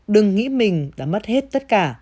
đừng nghĩ mình đã mất hết tất cả